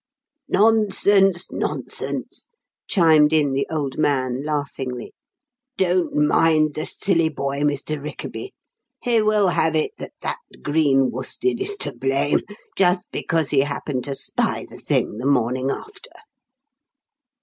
"Nonsense, nonsense!" chimed in the old man, laughingly. "Don't mind the silly boy, Mr. Rickaby. He will have it that that green worsted is to blame, just because he happened to spy the thing the morning after."